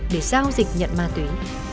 để giao dịch nhận ma túy